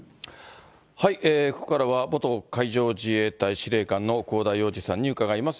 ここからは、元海上自衛隊司令官のこうだようじさんに伺います。